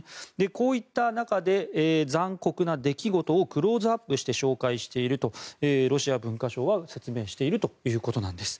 こういった中で残酷な出来事をクローズアップして紹介しているとロシア文化省は説明しているということです。